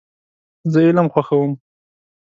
زه علم خوښوم .